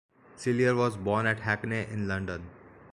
Cellier was born at Hackney, in London.